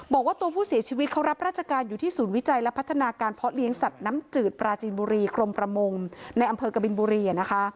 บอกว่าตัวผู้เสียชีวิตเขารับราชการอยู่ที่ศูนย์วิจัยและพัฒนาการเพาะเลี้ยงสัตว์น้ำจืดปราจีนบุรีกรมประมงในอำเภอกบินบุรี